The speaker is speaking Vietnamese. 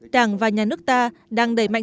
đảng và nhà nước ta đang đẩy mạnh